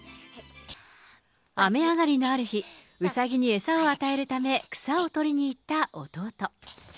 雨上がりのある日、うさぎに餌を与えるため草を取りに行った弟。